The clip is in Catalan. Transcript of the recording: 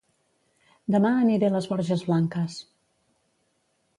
Dema aniré a Les Borges Blanques